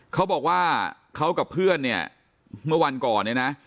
เขาบอกว่าเขากับเพื่อนเนี่ยเมื่อวันก่อนเนี่ยนะ